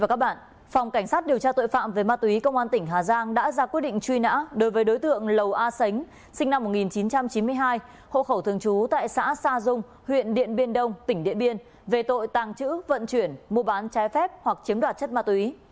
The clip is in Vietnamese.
phòng cảnh sát điều tra tội phạm về ma túy công an tỉnh hà giang đã ra quyết định truy nã đối với đối tượng lầu a sánh sinh năm một nghìn chín trăm chín mươi hai hộ khẩu thường trú tại xã sa dung huyện điện biên đông tỉnh điện biên về tội tàng trữ vận chuyển mua bán trái phép hoặc chiếm đoạt chất ma túy